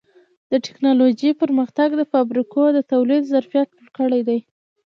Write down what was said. د ټکنالوجۍ پرمختګ د فابریکو د تولید ظرفیت لوړ کړی دی.